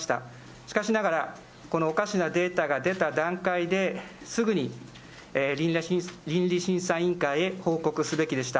しかしながら、このおかしなデータが出た段階ですぐに倫理審査委員会へ報告すべきでした。